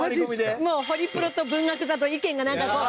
もうホリプロと文学座と意見がなんかこう。